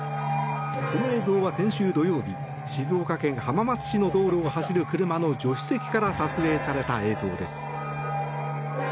この映像は先週土曜日静岡県浜松市の道路を走る車の助手席から撮影された映像です。